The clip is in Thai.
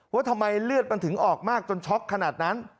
ว่าทำไมเลือดมันถึงออกมากจนช็อกขนาดนั้น